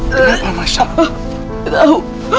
kenapa masya allah